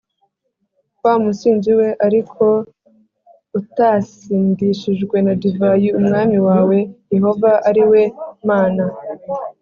wa musinzi we ariko utasindishijwe na divayi Umwami wawe Yehova ari we Mana